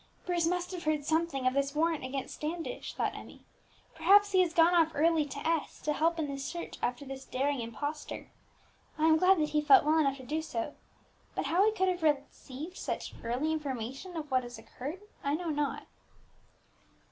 "Bruce must have heard something of this warrant against Standish," thought Emmie; "perhaps he has gone off early to S , to help in the search after this daring impostor. I am glad that he felt well enough to do so; but how he could have received such early information of what has occurred, I know not."